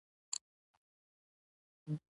شعور او انګیزو څپو بدلون ورکړ.